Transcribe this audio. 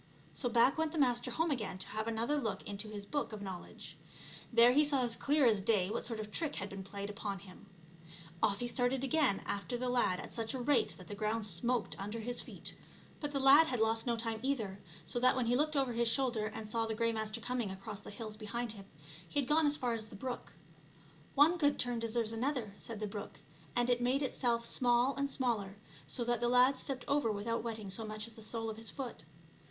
So back went the Master home again to have another look into his Book of Knowledge. There he saw as clear as day what sort of trick had been played upon him. Off he started again after the lad at such a rate that the ground smoked under his feet. 100 ONE GOOD TURN DESERVES ANOTHER. But the lad had lost no time either, so that when he looked over his shoulder and saw the Grey Master coming across the hills behind him, he had gone as far as the brook. " One good turn deserves another," said the brook, and it made itself small and smaller, so that the lad stepped over without wetting so much as the sole of his foot.